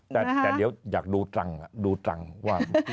แต่เดี๋ยวอยากดูตรังดูตรังว่า